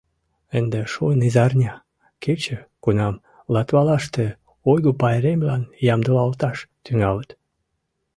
Ынде шуын изарня – кече, кунам Латвалаште ойго пайремлан ямдылалташ тӱҥалыт.